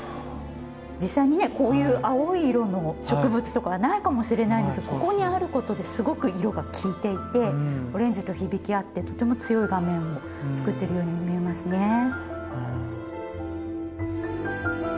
実際にねこういう青い色の植物とかはないかもしれないんですがここにあることですごく色が効いていてオレンジと響き合ってとても強い画面を作っているように見えますね。